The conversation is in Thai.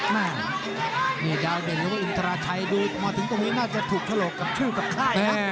แม่เหมือนจะอาจเห็นว่าอินทราชัยดูมาถึงตรงนี้น่าจะถูกฉลกกับชุดกับคล่ายครับ